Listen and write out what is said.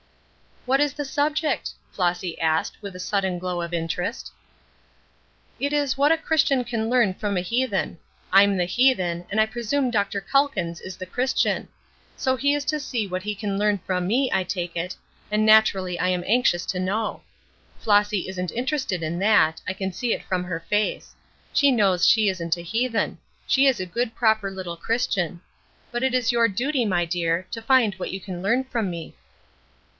"What is the subject?" Flossy asked, with a sudden glow of interest. "It is what a Christian can learn from a heathen. I'm the heathen, and I presume Dr Calkins is the Christian. So he is to see what he can learn from me, I take it, and naturally I am anxious to know. Flossy isn't interested in that; I can see it from her face. She knows she isn't a heathen she is a good proper little Christian. But it is your duty, my dear, to find what you can learn from me."